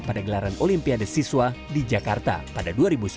pada gelaran olimpia desiswa di jakarta pada dua ribu sepuluh